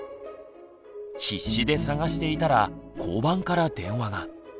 必死で捜していたら交番から電話が。